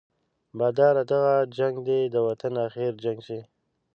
باداره دغه جنګ دې د وطن اخري جنګ شي.